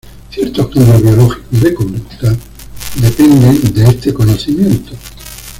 Cierto cambios biológicos y de conducta dependen de este conocimiento.